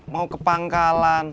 mau ke pangkalan